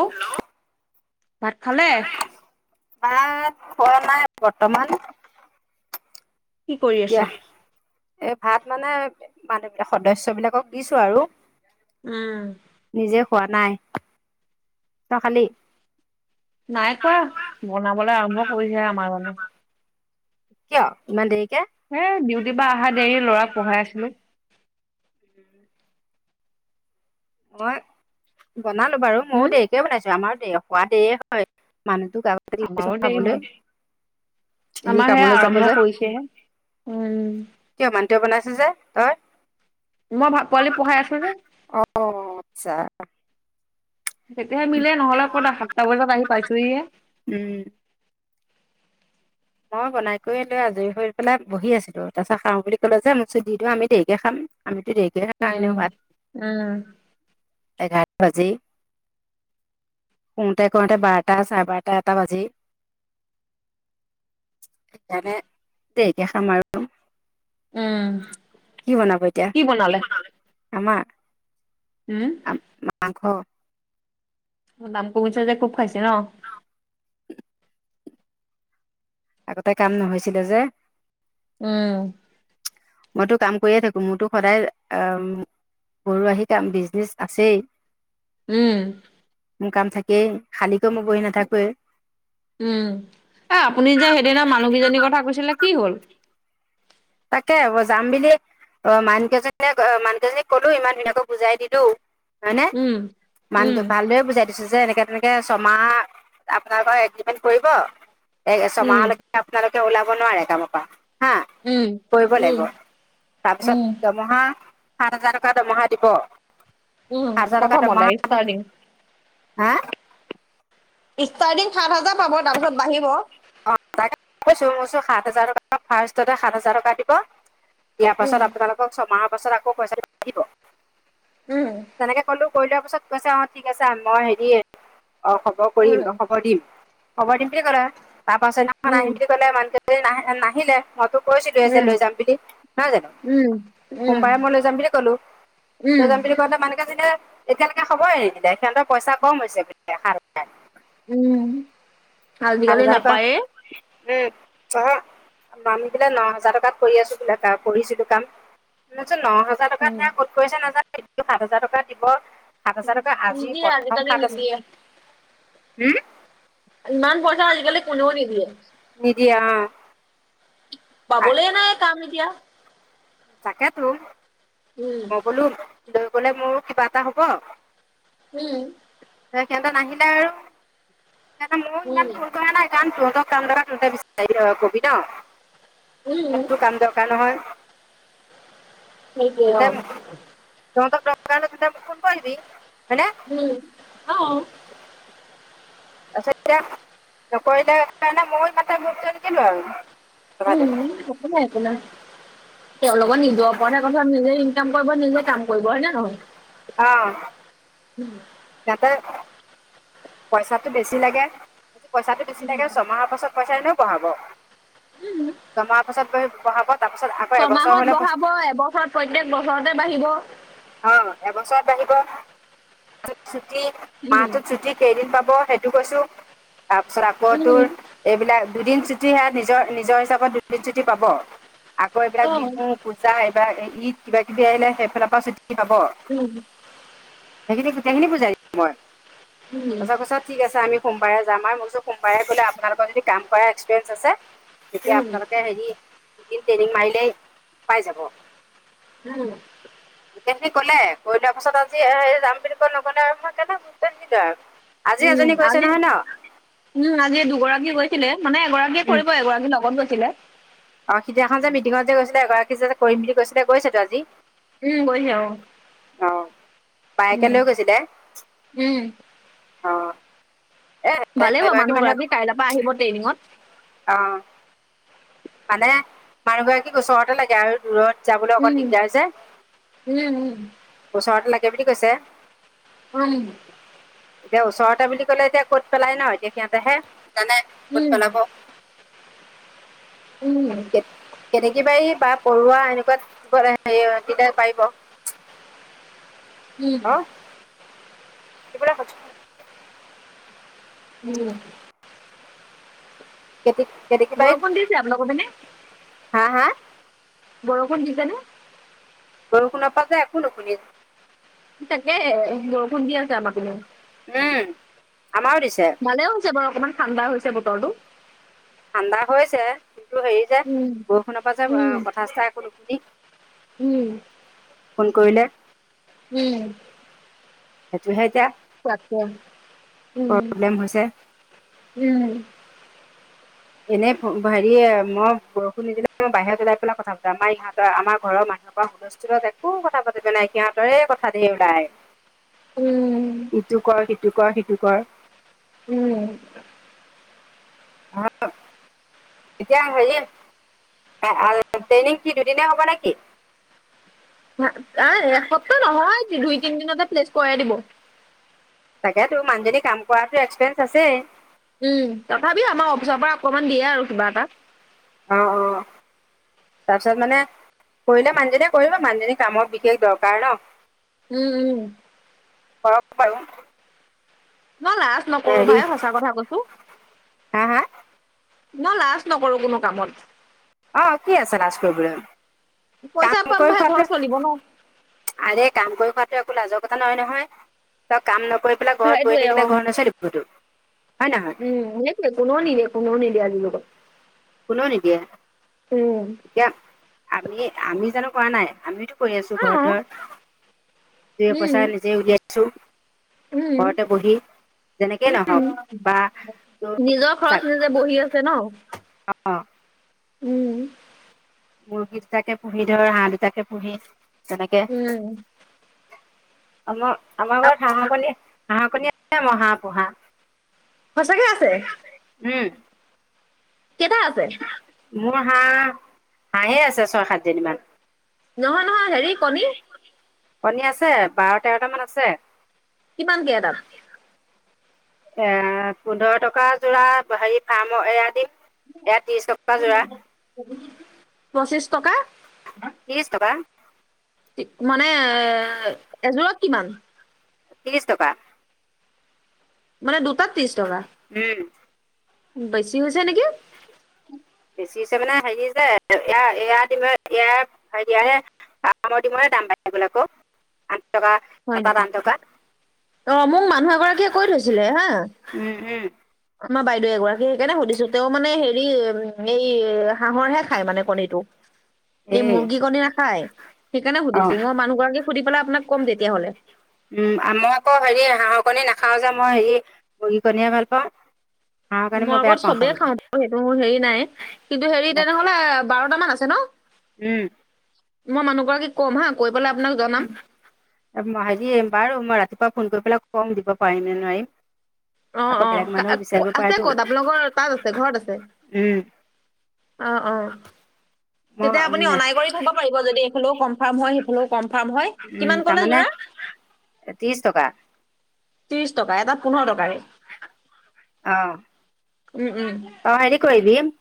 অ', ভাত খালে। ভাত খোৱা নাই বৰ্তমান। কি কৰি দিয়া আছে? এ ভাত মানে মানুহ সদস্য বিলাকক দিছো আৰু উম, নিজে খোৱা নাই, তই খালি? নাই খোৱা বনাবল আৰম্ভ কৰিছেহে আমাৰ জনী কিয়? ইমান দেৰিকে। এ, ডিউটিৰ পৰা অহা দেৰি লৰাক পঢ়াই আছিলো। উম। মই বনালো বাৰু ময়ো উম, দেৰিকে বনাইছো আমাৰো খোৱা দেৰি হয় মানুহতো গা আমাৰো দেৰি কথাাবলৈ হয়। [unintelligible] আমাৰ সেয়া আৰম্ভ কৰিছেহে, উম কিয় মানুহটোৱে বনাইছে যে তই? মই ভ পোৱালি পঢ়াই আছো যে। অ আচ্ছা। তেতিয়াহে মিলে নহ'লে ক'ত সাতটা বজাত আহি পাইছোহিহে। উম। মই বনাই কৰি লৈ আজৰি হৈ পেলাই বহি আছিলো তাৰপিছত খাওঁ বুলি কলে যে মই কৈছো দি দিওঁ আমি দেৰিকে খাম আমিতো দেৰি উম। [unintelligible] ভাত, উম, এঘাৰটা বাজেই। শুটে কৰোতে বাৰটা চাৰে বাৰটা এটা বাজেই। সেইকাৰণে দেৰিকে খাম আৰু। উম, কি বনাব এতিয়া কি বনালে? আমাৰ? হম। মাংস। দাম কমিছে যে খুব খাইছে ন? আগতে কাম নহৈছিলে যে। উম। মইটো কাম কৰিয়ে থাকো মোৰতো সদায় অম গৰু আহি কাম বিজনেচ [unintelligible] আছেই। উম। মোৰ কাম থাকেই খালী কৈ মই বহি নাথাকোৱে। উম, এ আপুনি যে সেইদিনা মানুহ কেইজনীৰ কথা কৈছিলে কি হ'ল? তাকে যাম বুলি অ', মানকেইজনীয়ে মানুকেইজনীক ক'লো ইমান ধুনীয়াকৈ বুজাই দিলো। হয় নে? উম, মান উম, ভালদৰেে বুজাই যে এনেকে তেনেকে ছমাহ আপোনালোকৰ এগ্ৰ্ৰীমেণ্ট কৰিব, এই উম। ছমাহলৈকে আপোনালোকে ওলাব নোৱাৰে কামৰ পৰা, হা। উম। কৰিব উম, লাগিব উম, তাৰপিছত দৰমহা সাত হাজাৰ টকা দৰমহা দিব। উম, হাজাৰ টকা প্ৰথমতে দৰমহা ইষ্টাৰটিং। হা? ষ্টাৰৰ্টিং সাত হাজাৰ পাব, তাৰপিছত বাঢ়িব। অ', তাকে কৈছোঁ মইছো সাত হাজাৰ টকা ফাৰষ্টতে সাত হাজাৰ টকা দিব। দিয়াৰ পাছত উম, আপোনালোকক ছমাহৰ পাছত আকৌ পইচাটো [unintelligible] উম, তেনেকে ক'লো কৰি লোৱাৰ পিছত কৈছে অ', ঠিক আছে মই হেৰি অ', খবৰ কৰিম উম, অ', খবৰ দিম খবৰ দিম বুলি ক'লে। তাৰ পাছৰদিনাখন আহিম বুলি ক'লে মানুহ কেইজনী নাহিলে মইতো উম, কৈছিলোঁৱে যে উম, লৈ যাম বুলি, নহয় জানো? উম। উম, সোমবাৰে মই লৈ যাম বুলি ক'লো, লৈ উম, যাম বুলি কওঁতে মানুহকেইজনীয়ে এতিয়ালৈকে খবৰে নিদিলে সিহঁতৰ পইচা ক'ম হৈছে বোলে সাত উম। সাত আজিকালি হাজাৰ টকা, নাপায়ে। উম [unintelligible] আমি বোলে ন' হাজাৰ টকাত কৰি আছো বোলে কাম কৰিছিলো কাম, মইছোঁ ন' হে হাজাৰ টকাত উম, ধৰা ক'ত কৰিছে নাজানো [unintelligible] সাত হাজাৰ টকা দিব। সাত হাজাৰ টকা আজি প্ৰথম সাত নিদিয়ে। উম? ইমান পইচা আজিকালি কোনেও নিদিয়ে। নিদিয়ে অ'। আ- পাবলেই নাই কাম এতিয়া। তাকেতো উম, মই বোলো লৈ গ'লে মোৰো কিবা এটা হ'ব। উম। [unintelligible] সিঁহতে নাহিলে আৰু সেইকাৰণে ময়ো উম, ইমান ফোন কৰা নাই কাৰণ, তহঁতৰ [unintelligible] তহঁতে বিচাৰ কবি ন' উম, মোকতো কাম দৰকাৰ নহয়। সেইটোৱে অ', [unintelligible] তহঁতক দৰকাৰ হ'লে তহঁতে মোক ফোন কৰিবি, হয়নে? উম, অ'। তাৰপিছত এতিয়া নকৰিলে সেইকাৰণে, ময়ো ইমান এটা গুৰুত্ব নিদিলোঁ আৰু। কথাটো উম, একো নাই, একো নাই, তেওঁলোকৰ নিজৰ ওপৰত হে কথা নিজে ইনকাম কৰিব নিজে কাম কৰিব হয় নে নহয়? অ'। উম। যাতে পইচাটো বেছি লাগে, পইচাটো বেছি লাগে ছমাহৰ পাছত পইচা এনেও বঢ়াব। ছমাহৰ পাছত বহি বহাব তাৰ পিছত আ ছমাহত বঢ়াব এবছৰত প্ৰত্যেক বছৰতে বাঢ়িব। অ', এবছৰত বাঢ়িব, [unintelligible] ছুটি উম, মাহটোত ছুটি। কেইদিন পাব সেইটো কৈছোঁ তাৰপিছত আকৌ উম, তোৰ এইবিলাক দুদিন ছুটি সেইয়া নিজৰ নিজৰ হিচাপত দুদিন ছুটি পাব আকৌ এইবিলাক অ', বিহু পূজা এইবাৰ ঈদ কিবা কিবি আহিলে সেইফালৰ পৰা চুটি পাব। উম। সেইখিনি গোটেইখিনি বুজায় দিলো মই। উম, তাৰপিছত কৈ ঠিক আছে আমি সোমবাৰে যাম আৰু মই কৈছো সোমবাৰে গ'লে আপোনালোকৰ যদি কাম কৰাৰ একপিৰিয়েঞ্চ আছে তেতিয়া উম, আপোনালোকে হেৰি দুদিন টেৰিং মাৰিলেই পাই যাব। উম। গোটেইখিনি ক'লে কৈ লোৱা পাছত আজি যাম বুলি কৈ নগ'লে আৰু মই সেইকাৰণে গুৰুত্ব নিদিলো আৰু আজি উম, এজনী গৈছে আজি নহয় ন? উম, আজি দুগৰাকী গৈছিলে মানে এগৰাকীয়ে কৰিব এগৰাকী লগত গৈছিলে। অ', সিদিনাখন যে মিটিঙত যে গৈছিলে এগৰাকী যে কৰিম বুলি কৈছিলে গৈছেটো আজি। উম, গৈছে অ, অ বায়েকে উম, লৈ গৈছিলে উম। অ'। এ ভালে বাৰু এগৰাকী মানুহ মানুহক গৰাকী কাইলৈ পৰা আহিব ট্ৰেইনিঙত। অ'। মানে মানুহগৰাকীক ওচৰতে লাগে আৰু দূৰত যাবলৈ অকণ উম, দিগদাৰ যে, উম, উম, ওচৰত লাগে বুলি কৈছে। উম। এতিয়া ওচৰতে বুলি ক'লে এতিয়া ক'ত পেলাই ন' এতিয়া সিহঁতেহে জানে ক'ত উম, পেলাব। উম। কেনেকী বাৰী বা পৰুৱা এনেকুৱা [unintelligible] তেতিয়া পাৰিব। [inaudible] উম। [unintelligible] উম। কেতেকী বৰষুণ দিছে আপোনালোকৰ পিনে? বাৰীত। হা হা? বৰষুণ দিছেনে? বৰষুণৰ পৰা যে একো নুশুনি। তাকেহে বৰষুণ দি আছে আমাৰ পিনেও। উম আমাৰো দিছে। ভালেও হৈছে বাৰু অকণমান ঠাণ্ডা হৈছে বতৰটো। ঠাণ্ডা হৈছে কিন্তু হেৰি যে উম, বৰষুণৰ পৰা যে কথা চথা একো নুশুনি। উম। ফোন কৰিলে। উম সেইটোহে এতিয়া। তাকে উম প্ৰব্লেম হৈছে উম। এনে হেৰি মই বৰষুণ নিদিলে মই বাহিৰত ওলাই পেলাই কথা পাতো আমাৰ ইহঁতৰ আমাৰ ঘৰৰ মানুহৰ পৰাও হুলস্থূলত একো কথা পাতিব নোৱাৰি সিহঁতৰে কথা ধেৰ ওলাই। উম। ইটো কৰ সিটো কৰ সিটো কৰ। উম হা [unintelligible] এতিয়া হেৰি ট্ৰেইনিং কি দুদিনে হ'ব নে কি? [unintelligible] এ এসপ্তাহ নহয়, দুই-তিনিদিনতে প্লেচ কৰাই দিব। তাকেতো মানুজনী কাম কৰাতো এক্সপিৰিয়েঞ্চ আছেই। উম, তথাপিও আমাৰ অফিচৰ পৰা অকণমান দিয়ে আৰু কিবা এটা। অ', অ'। তাৰপিছত মানে কৰিলে মানুহজনীয়ে কৰিব, মানুহজনীৰ কামৰ বিশেষ দৰকাৰ ন। উম, উম। কৰক বাৰু। মই লাজ নকৰোঁ হেৰি ভাই সঁচা কথা কৈছো। হা হা ন লাজ নকৰোঁ কোনো কামত। অ', কি আছে লাছ কৰিবলে? পইচা পাম ভাই, ঘৰ চলিব ন। আৰে কাম কৰি খোৱাাতটো একো লাজৰ কথা নহয় নহয়, তই কাম নকৰি পেলাই ঘৰত বহি সেইটোৱে অ থাকিলে ঘৰ নচলেতো। হয় নহয়? উম, সেইটোৱে, কোনেও নিদিয়ে, কোনেও নিদিয়ে আজিৰ যুগত। কোনেও নিদিয়ে। উম। এতিয়া আমি, আমি জানো কৰা নাই? আমিতো কৰি আছো অ ঘৰত ধৰ। দুই-এ উম পইচা নিজে উলিয়াইছো। উম ঘৰতে বহি যেনেকেই নহওঁক বা তোৰ নিজৰ খৰচ চাক নিজে বহি আছে ন [unintelligible] অ'। উম। মুৰ্গী দুটাকে পোহি ধৰ, হাঁহ দুটাকে পোহি তেনেকে উম আমাৰ আমাৰ আ- ঘৰত হাঁহৰ কনী, হাঁহৰ কনী আছে [unintelligible] হাঁহ পোহা। সঁচাকে আছে? উম। কেইটা আছে? মোৰ হাঁহ, হাঁহে আছে ছয়-সাতজনি মান। নহয়, নহয়, হেৰি কণী? কণী আছে। বাৰ-তেৰটামান আছে। কিমানকে এটাত? এ পোন্ধৰ টকা যোৰা হেৰি ফাৰ্মৰ এয়া দি [unintelligible] পঁচিছ টকা? ত্ৰিশ টকা। মানে এযোৰত কিমান? ত্ৰিশ টকা। মানে দুটাত ত্ৰিশ টকা, উম বেছি হৈছে নেকি? বেছি হৈছে মানে হেৰি যে এয়া-এয়া ডিমে এয়া হে [unintelligible] [unintelligible] ডিমৰে দাম বাঢ়ি গ'ল আকৌ আঠ টকা হয় এটাত নেকি? আঠ টকা অ', মোক মানুহ এগৰাকীয়ে কৈ থৈছিলে হা আমাৰ বাইদেউ এগৰাকী, সেইকাৰণে সুধিছো। তেওঁ মানে হেৰি এই হাঁহৰহে খাই মানে কণীটো, এই মুৰ্গী কণী নাখাই। সেইকাৰণে অঁ সুধিছো। মই মানহগৰাকীক সুধি পেলাই আপোনাক ক'ম তেতিয়াহলে। উম, মই আকৌ হেৰি হাঁহৰ কণী নাখাওঁ যে, মই হেৰি মুৰ্গী কণীয়ে ভাল পাওঁ। হাঁহৰ কণী মই আকৌ বেয়া পাওঁ চবেই খাবলৈ খাওঁ সেইটো মোৰ হেৰি নাই। কিন্তু হেৰি তেনেহলে বাৰটামান আছে ন? উম। মই মানুহ গৰাকীক ক'ম হা, কৈ পেলাই আপোনাক জনাম। হেৰি, বাৰু! মই ৰাতিপুৱা ফোন কৰি পেলাই কম, দিব পাৰিম নে নোৱাৰিম। অ, আকৌ অ, বেলেগ ক মানুহেও বিচাৰিব আছে পাৰেতো ক'ত? আপোনালোকৰ তাত আছে, ঘৰত আছে। উম অ, অ, তেতিয়া আপুনি অনাই মই কৰি থব পাৰিব, যদি এইফালেও কনফাৰ্ম হয়, সেইফালেও কনফাৰ্ম হয়, কিমান ক'লে তাৰমানে যোৰা? ত্ৰিশ টকা। ত্ৰিশ টকা, এটাত পোন্ধৰ টকাকে। অ, উম উম অ, হেৰি কৰি দিম।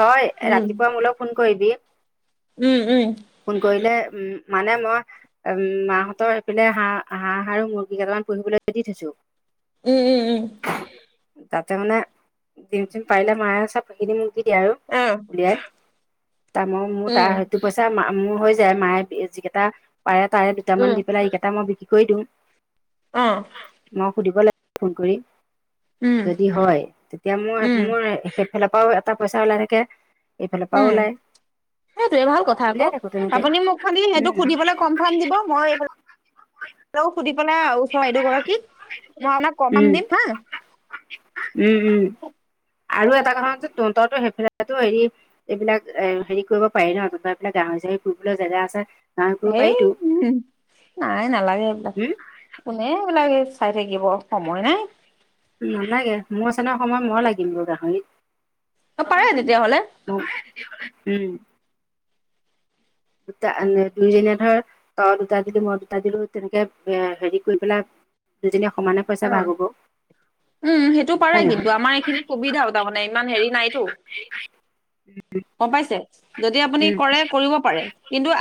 তই ৰাতিপুৱা মোলৈ ফোন কৰিবি। উম, উম। ফোন কৰিলে, উম, মানে মই উম, মা হঁতৰ সেইপিনে হাঁহ-হাঁহ আৰু মুৰ্গী কেইটামান পুহিবলৈ দি থৈছো। উম, উম, উম। তাতে মানে ডিম-চিম পাৰিলে [unintelligible] বাকীখিনি মোক দি দিয়ে আৰু। উম। [unintelligible] মোৰ উম হৈ যায়, মায়ে যিকেইটা পাৰে তাৰে দুটামান উম দি পেলাই এইকেইটা মই বিক্ৰী কৰি দিওঁ। অ। মই সুধিব লাগিব ফোন কৰি। উম যদি হয় এতিয়া উম মোৰ-মোৰ সেইফালৰ পৰাও এটা পইচা ওলাই থাকে, এইফালৰ পৰাও উম ওলায়। সেইটোৱে, ভাল কথা আকৌ। তেনেকে আপুনি মোক খালি সেইটো উম সুধিব পেলাই কনফাৰ্ম দিব, মই [unintelligible] সুধি পেলাই ওচৰ বাইদেউ গৰাকীক মই আপোনাক কনফাৰ্ম উম দিম হা। উম, উম, আৰু এটা কথা শুন চোন, তঁহতৰতো হেফালেতো হেৰি এইবিলাক এ হেৰি কৰিব পাৰি ন, তহঁতৰ এইফালে গাহৰি-চাহৰি পুহিবলৈ জেগা আছে। গাহৰি পুহিব হেই, পাৰিতো উম, নাই নালাগে এইবিলাক। উম কোনে এইবিলাক চাই থাকিব, সময় নাই। নালাগে, মোৰ আছে নহয় সময়, মই লাগিম তোৰ গাহৰিত। অ, পাৰে তেতিয়াহ'লে। উম। দুটা দুইজনীয়ে ধৰ, তই দুটা দিলি, মই দুটা দিলো, তেনেকে এ হেৰি কৰি পেলাই দুজনীৱে সমানে পইচা ভাগ উম, হ'ব সেইটো পাৰে হয় নহয় কিন্তু, আমাৰ এইখিনিত সুবিধাও তাৰমানে, ইমান হেৰি নাইতো। গম পাইছে। যদি আপুনি উম কৰে, কৰিব পাৰে। কিন্তু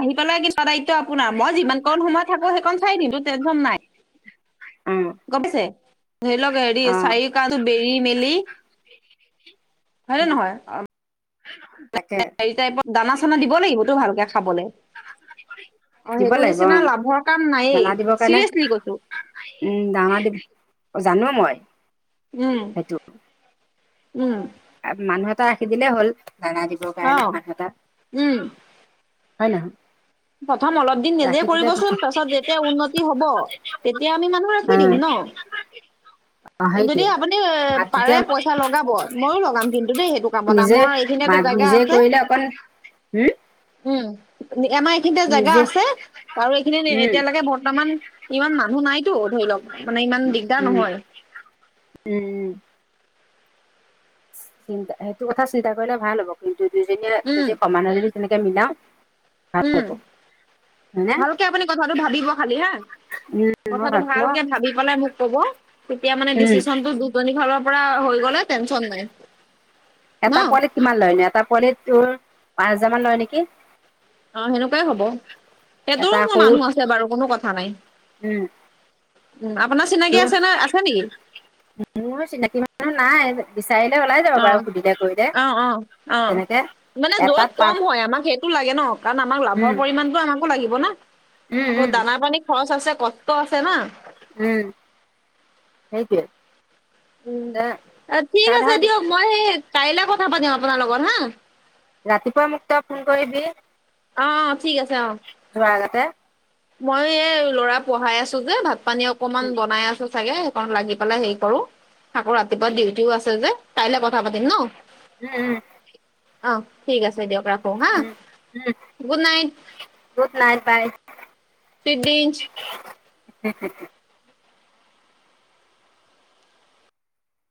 আহি পেলাই [unintelligible] দায়িত্ব আপোনাৰ, মই যিমান কণ সময় থাকো, সেইকণ চাই দিম, টেনশ্যন নাই। উম। গম পাইছে। ধৰি লওঁক, হেৰি চাৰিকাষটো বেৰি-মেলি, হয়নে উম নহয়! তাকে। হেৰি টাইপত, দানা-চানা দিব লাগিতটো ভালকে, খাবলৈ। অ, দিব সেইটো লাগিব অ নিচিনা লাভৰ কাম দানা নায়েই, দিবৰ কাৰণে চিৰিয়াচলি কৈছো। উম, ডাঙৰ [unintelligible] জানো মই। উম, সেইটো উম। মানুহ এটা ৰাখি দিলে হ'ল, দানা দি অ উম। হয় নহ প্ৰথম অলপ দিন নিজে কৰিবচোন তাৰপিছত যেতিয়া উন্নতি হব তেতিয়া আমি মানুহ ৰাখি উম, দিম ন। [unintelligible] যদি আপুনি এ মাত পাৰে তেতিয়া পইচা লগাব মইয়ো লগাম কিন্তু দেই সেইটো কামত আম মাটো নিজে কৰিলে অকন, হম? উম আমাৰ এইখিনিতে জেগা নিজে আছে আৰু এইখিনি উম এতিয়ালৈকে বৰ্তমান ইমান মানুহ নাইটো ধৰি লওক। মানে ইমান উম, দিগদাৰ নহয় উ উম। চিন্তা সেইটো কথা চিন্তা কৰিলে ভাল হ'ব কিন্তু দুইজনীয়ে উম যদি সমানে যদি তেনেকে মিলাও ভাল উম হ'ব হয়নে ভালকে আপুনি কথাটো ভাবিব খালি হা। উম মই কথাটো ভাব মই ভালকে ভাবি পেলাই মোক ক'ব তেতিয়া মানে উম ডিচিশনটো দু দজনী ফালৰ পৰা হৈ গলে টেনচন নাই, ন। এটা পোৱালিত কিমান লয় নে এটা পোৱালিত তোৰ পাঁচ হাজাৰ মান লয় নেকি? অ সেনেকুৱাই হ'ব এটা সেইতোৰো মোৰ সৰু মানুহ আছে বাৰু কোনো কথা নাই। উম উ আপোনাৰ চিনাকি আছে নে আছে নেকি? উ মোৰ চিনাকি মানুহ নাই। বিচাৰিলে ওলাই যাব অ বাৰু সুধিলে কৰিলে অ অ অ তেনেকে এটাত পাঁচ টো লাগে ন কাৰণ আমাক লাভৰ উম পৰিমণটো আমাকো লাগিব না উম আকৌ উম দানা পানী খৰচ আছে কষ্ট আছে না। উ সেইটোয়ে। উম ঠিক তই আছে ধৰ দিয়ক মই সেই কাইলে কথা পাতিম আপোনাৰ লগত হা। ৰাতিপুৱাই মোক তই ফোন কৰিবি। অ অ ঠিক আছে অ। যোৱা আগতে। মই এই ল'ৰা পঢ়াই আছো যে ভাত পানী অকমান উম বনাই আছো চাগে অ লাগি পেলাই হেৰি কৰো আকৌ ৰাতিপুৱা ডিউটিও আছে যে কাইলে কথা পাতিম ন। উম উম। অ ঠিক আছে দিয়ক ৰাখ উ উ গুড নাইট বাই। চুইট ডিনচ্ [unintelligible]